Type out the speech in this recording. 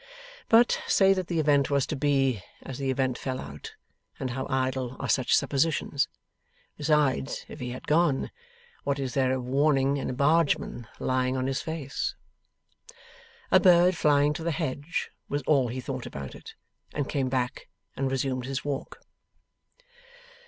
But, say that the event was to be, as the event fell out, and how idle are such suppositions! Besides, if he had gone; what is there of warning in a Bargeman lying on his face? 'A bird flying to the hedge,' was all he thought about it; and came back, and resumed his walk.